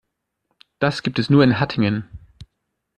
Das gibt es nur in Hattingen